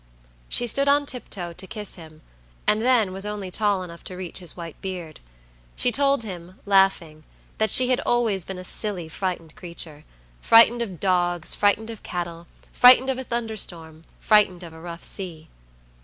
She stood on tiptoe to kiss him, and then was only tall enough to reach his white beard. She told him, laughing, that she had always been a silly, frightened creaturefrightened of dogs, frightened of cattle, frightened of a thunderstorm, frightened of a rough sea.